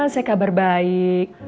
saya kabar baik